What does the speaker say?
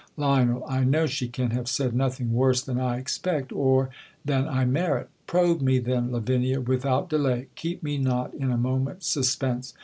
Lion, I know she can have said nothing worse than I expect, or than I merit. Probe me, then, Lavinia, with out delay. Keep me not in a moment's suspense.